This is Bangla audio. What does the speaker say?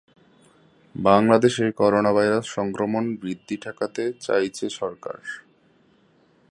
বাংলাদেশে করোনাভাইরাস সংক্রমণ বৃদ্ধি ঠেকাতে চাইছে সরকার।